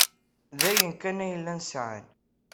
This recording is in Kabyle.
D ayen kan ay llan sɛan.